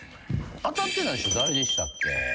当たってない人誰でしたっけ？